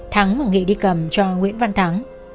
thắng và nghị đi cầm cho nguyễn văn thắng